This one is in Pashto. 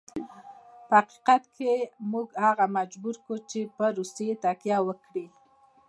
په حقیقت کې موږ هغه مجبور کړ چې پر روسیې تکیه وکړي.